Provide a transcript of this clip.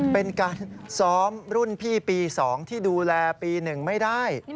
เป็นการซ้อมรุ่นพี่ปี๒ที่ดูแลปี๑ไม่ได้